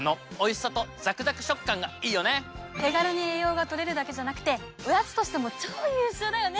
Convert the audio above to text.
手軽に栄養が取れるだけじゃなくておやつとしても超優秀だよね！